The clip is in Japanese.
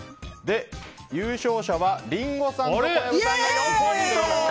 優勝者はリンゴさんと小籔さんが４ポイント！